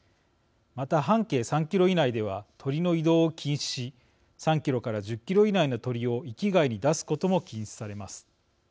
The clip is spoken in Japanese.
また、半径３キロ以内では鳥の移動を禁止し３キロから１０キロ以内の鳥を域外に出すことも禁止されます。